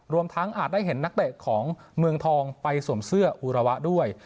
รวมทั้งอาจได้เห็นนักเตะของเมืองทองไปสวมเสื้ออุระวะด้วย